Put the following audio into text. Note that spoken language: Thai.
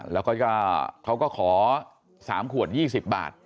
แล้วก็เขาก็ขอ๓ขวด๒๐บาท